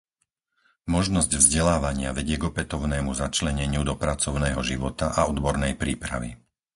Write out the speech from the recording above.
Možnosť vzdelávania vedie k opätovnému začleneniu do pracovného života a odbornej prípravy.